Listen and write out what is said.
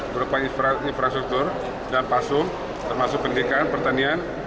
berupa infrastruktur dan pasu termasuk pendidikan pertanian